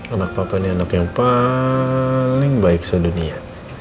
anak papa ini anak yang paling baik se dunia